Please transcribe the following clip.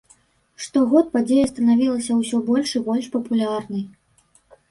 Штогод падзея станавілася ўсё больш і больш папулярнай.